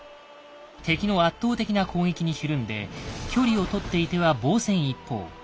敵の圧倒的な攻撃にひるんで距離をとっていては防戦一方。